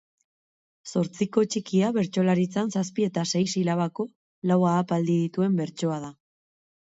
Zortziko txikia bertsolaritzan zazpi eta sei silabako lau ahapaldi dituen bertsoa da.